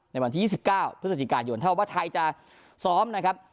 ในวันที่๒๙พฤศจิกายนถ้าว่าไทยจะซ้อมนะครับ